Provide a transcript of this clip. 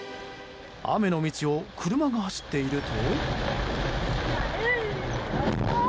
雨の道を車が走っていると。